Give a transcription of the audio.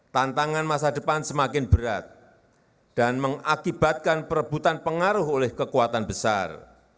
tantangan masa depan semakin berat dan mengakibatkan perebutan pengaruh oleh kekuatan besar